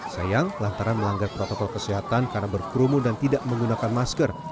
sayang lantaran melanggar protokol kesehatan karena berkerumun dan tidak menggunakan masker